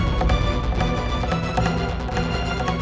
aku mau ke rumah rina